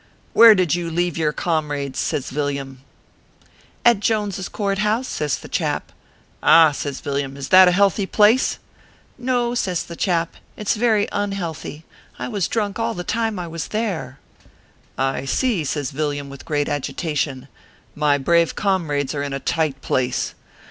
" Where did you leave your comrades ?" says Vil liani. " At Joneses Court House," says the chap. "Ah !" says Villiam, " is that a healthy place ?" "No," says the chap, "it s very unhealthy I was drunk all the time I was there." " I see," says Yilliam, with great agitation, " my brave comrades are in a tight place.